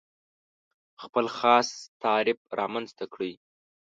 خپل خاص تعریف رامنځته کړي.